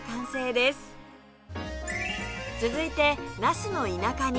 続いてなすの田舎煮